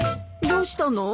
どうしたの？